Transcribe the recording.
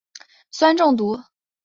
酸中毒。